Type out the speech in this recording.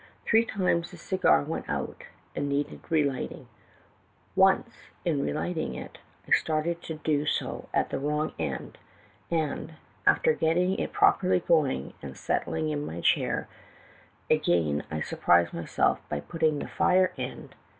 Three times the cigar went out and needed relighting; once, in relighting it, I started to do so at the wrong end, and, after getting it properly going, and settling in my chair again, I surprised myself by putting the 'fire end' i A CHEMICAL DETECTIVE.